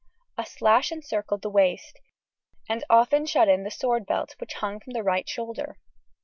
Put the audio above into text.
A sash encircled the waist, and often shut in the sword belt, which hung from the right shoulder.